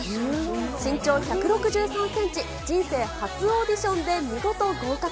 身長１６３センチ、人生初オーディションで見事合格。